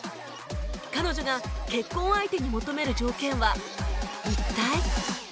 彼女が結婚相手に求める条件は一体？